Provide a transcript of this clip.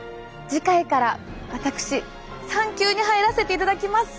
次回から私産休に入らせていただきます。